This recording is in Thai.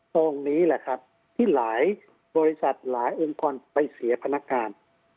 ตรงนี้แหละครับที่หลายบริษัทหลายองค์กรไปเสียพนักงาน